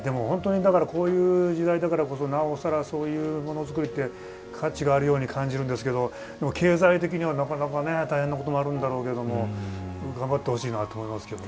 だから、こういう時代だからこそなおさらそういうものづくりって価値があるように感じるんですけど経済的にはなかなか大変なこともあるんだろうけど頑張ってほしいなと思いますけど。